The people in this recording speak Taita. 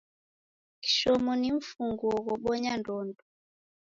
Kishomo ni mfunguo ghobonya ndodo.